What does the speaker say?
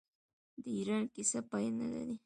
د ایران کیسه پای نلري.